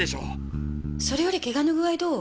それよりケガの具合どう？